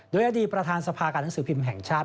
โดยอดีตประธานสภาการหนังสือพิมพ์แห่งชาติ